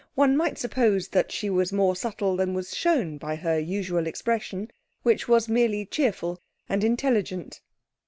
One might suppose that she was more subtle than was shown by her usual expression, which was merely cheerful and intelligent.